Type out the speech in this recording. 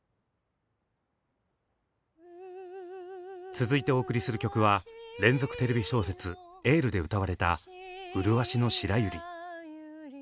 続いてお送りする曲は連続テレビ小説「エール」で歌われた「うるわしの白百合」。